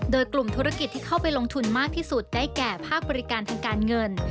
โดยกลุ่มธุรกิจที่เข้าไปลงทุนมากที่สุดได้แก่ภาคบริการทางการเงิน